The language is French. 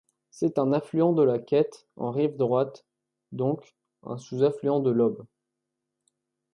C'est un affluent de la Ket en rive droite, donc un sous-affluent de l'Ob.